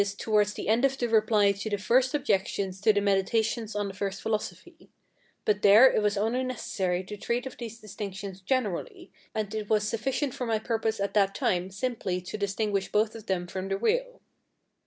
towards the end of the Reply to the First Objections to the Meditations on the First Philosophy); but there it was only necessary to treat of these distinctions generally, and it was sufficient for my purpose at that time simply to distinguish both of them from the real.